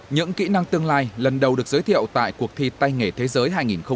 những kỹ năng tương lai lần đầu được giới thiệu tại cuộc thi tây nghề thế giới hai nghìn một mươi chín